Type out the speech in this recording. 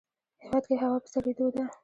هیواد کې هوا په سړیدو ده